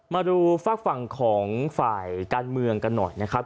มาดูฝากฝั่งของฝ่ายการเมืองกันหน่อยนะครับ